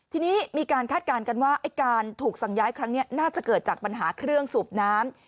ทีนี้มีการคาดการณ์กันว่าไอ้การถูกสั่งย้ายครั้งนี้น่าจะเกิดจากปัญหาเครื่องสูบน้ำ